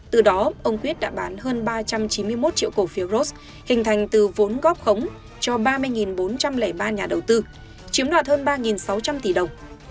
từ đó ông quyết đã bán hơn ba trăm chín mươi một triệu cổ phiếu rods hình thành từ vốn góp khống cho ba mươi bốn trăm linh ba nhà đầu tư chiếm đoạt hơn ba sáu trăm linh tỷ đồng